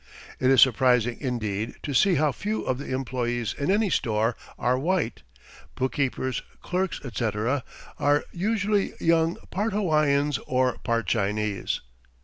It is surprising, indeed, to see how few of the employees in any store are "white"; bookkeepers, clerks, etc., are usually young part Hawaiians or part Chinese.